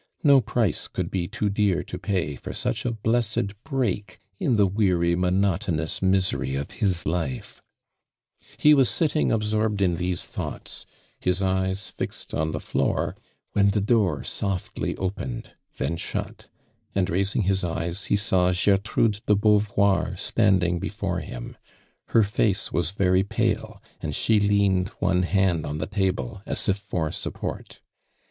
No price could be too dear to pay for such a blessed Vireak in the weary, monotonous misery of his life ! He was sitting absorbed in these thoughts, iiis eyes fixed on the floor, when the door .'oftly opened, then shut, and raising his oves he saw Gertrude do Beauvoir standing li'Cifore him. Her face was very pale and . lie leaned one hand on the table as if for .Tiipport.